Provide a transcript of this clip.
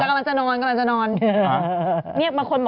กำลังจะนอน